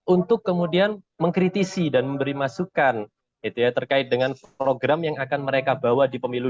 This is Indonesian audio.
untuk kemudian mengkritisi dan memberi masukan terkait dengan program yang akan mereka bawa di pemilu dua ribu dua puluh